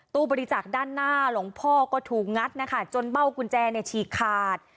ตู้บริจาคด้านหน้าหลวงพ่อก็ถูกงัดนะคะจนเบ้ากุญแจฉีกขาด